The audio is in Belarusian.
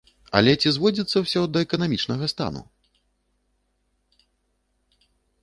Але ці зводзіцца ўсё да эканамічнага стану?